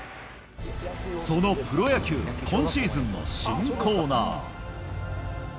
そのプロ野球今シーズンの新コーナー